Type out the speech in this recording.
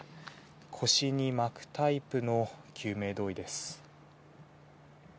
腰に巻くタイプの救命胴衣です。